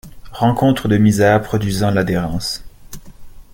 Rencontre de misères produisant l’adhérence.